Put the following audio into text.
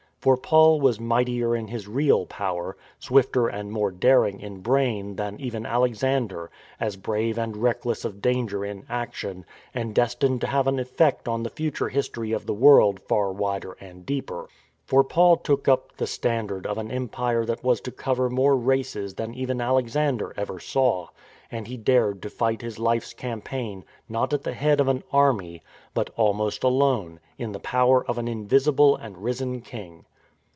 For Paul was mightier in his real power, swifter and more daring in brain than even Alexander, as brave and reckless of danger in action, and destined to have an effect on the future history of the world far wider and deeper. For Paul took up the standard of an empire that was to cover more races than even Alexander ever saw, and he dared to fight his life's campaign not at the head of an army, but, almost alone, in the power of an invisible and risen King.